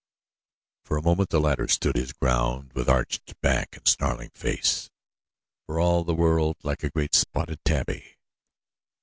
For a moment the latter stood his ground with arched back and snarling face, for all the world like a great, spotted tabby.